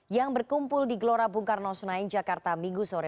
yang berkumpul di gelora bung karno senayan jakarta minggu sore